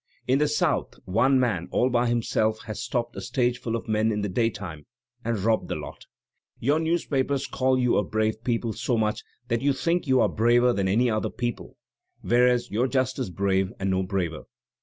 In the South one man, all by himself, has stopped a stage full of men in the daytime, and robbed the lot. Your newspapers call you a brave people so much that you think you are braver than any other people — whereas you're just as brave, and no braver.